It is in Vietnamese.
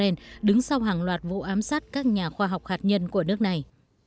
tuy nhiên đứng sau hàng loạt vụ ám sát các nhà khoa học hạt nhân của nước này